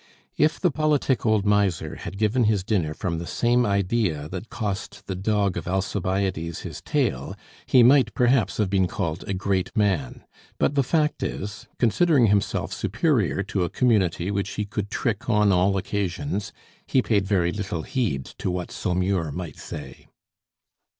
If the politic old miser had given his dinner from the same idea that cost the dog of Alcibiades his tail, he might perhaps have been called a great man; but the fact is, considering himself superior to a community which he could trick on all occasions, he paid very little heed to what Saumur might say.